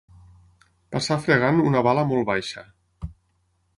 Passar fregant una bala molt baixa.